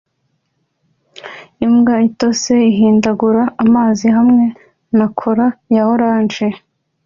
Imbwa itose ihindagura amazi hamwe na cola ya orange